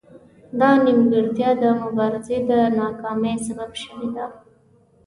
دا نیمګړتیا د مبارزې د ناکامۍ سبب شوې ده